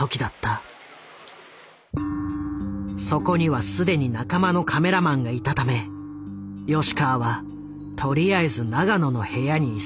そこには既に仲間のカメラマンがいたため吉川はとりあえず永野の部屋に急いだ。